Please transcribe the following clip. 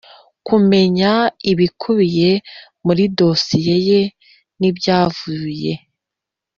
kumenya ibikubiye muri dosiye ye n ibyavuye